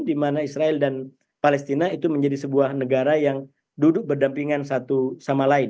di mana israel dan palestina itu menjadi sebuah negara yang duduk berdampingan satu sama lain